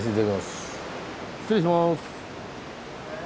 失礼します！